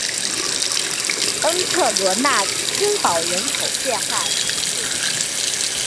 恩特罗讷新堡人口变化图示